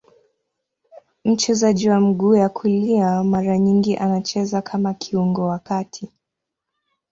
Mchezaji wa mguu ya kulia, mara nyingi anacheza kama kiungo wa kati.